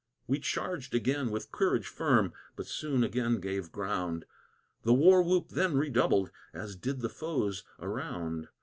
We charg'd again with courage firm, but soon again gave ground; The war whoop then redoubled, as did the foes around.